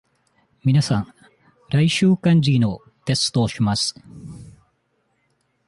皆さん、来週漢字のテストをします。